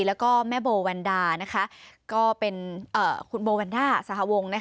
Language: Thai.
และแม่โบวัลดาคุณโบวัลดาสหวง